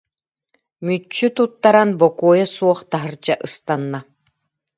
Мүччү туттаран, бокуойа суох таһырдьа ыстанна